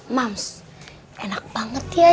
mams enak banget ya